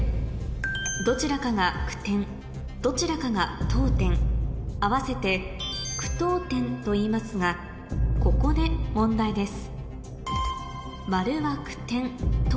どちらかが句点どちらかが読点合わせて句読点といいますがここで問題です